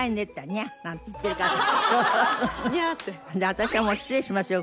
「私はもう失礼しますよ